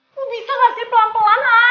lu bisa gak sih pelan pelan ha